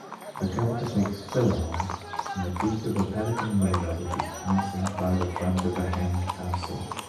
The cover depicts Philemon in the beak of a pelican whaler which is passing by the front of the hanging castle.